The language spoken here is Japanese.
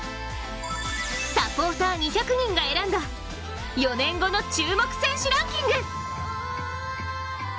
サポーター２００人が選んだ４年後の注目選手ランキング。